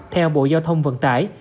theo bộ giao thông vận tải